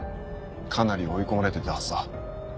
かなり追い込まれてたはずだ。